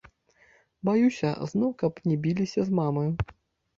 Баюся, зноў каб не біліся з мамаю.